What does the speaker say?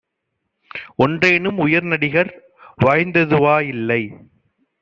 ஒன்றேனும் உயர்நடிகர் வாய்ந்ததுவா யில்லை!